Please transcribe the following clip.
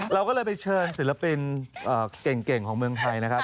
เราก็เลยไปเชิญศิลปินเก่งของเมืองไทยนะครับ